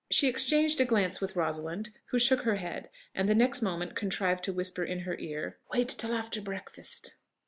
She exchanged a glance with Rosalind, who shook her head, and the next moment contrived to whisper in her ear, "Wait till after breakfast."